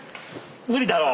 無理だろう。